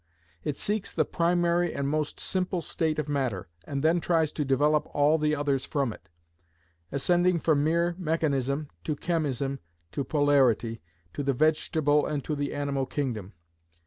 It seeks the primary and most simple state of matter, and then tries to develop all the others from it; ascending from mere mechanism, to chemism, to polarity, to the vegetable and to the animal kingdom.